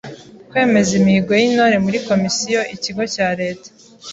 Kwemeza imihigo y’Intore muri Komisiyo/ikigo cya Leta;